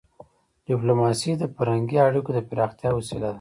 ډيپلوماسي د فرهنګي اړیکو د پراختیا وسیله ده.